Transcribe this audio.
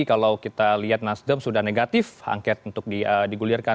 kalau kita lihat nasdem sudah negatif angket untuk digulirkan